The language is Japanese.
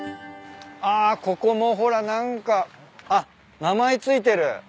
あっここもほら何かあっ名前付いてる。